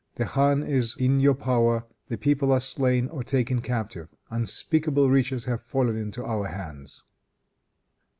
The khan is in your power, the people are slain or taken captive. Unspeakable riches have fallen into our hands."